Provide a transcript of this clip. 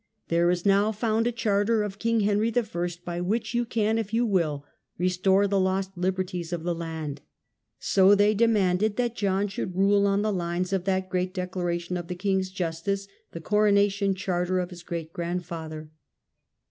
There is now found a charter of King Henry the First, by which you can, if you will, restbre the lost liberties of the land." So they demanded that John should rule on the lines of that great declaration of the king's justice, the Coronation Charter of his great grandfather.